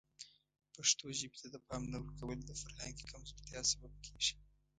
پښتو ژبې ته د پام نه ورکول د فرهنګي کمزورتیا سبب کیږي.